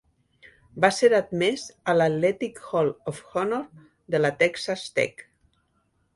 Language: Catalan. Va ser admès a l'Athletic Hall of Honor de la Texas Tech.